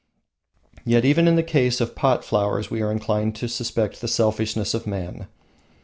Yet even in the case of pot flowers we are inclined to suspect the selfishness of man.